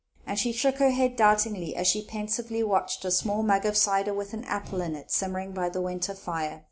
And she shook her head doubtingly, as she pensively watched a small mug of cider, with an apple in it, simmering by the winter fire.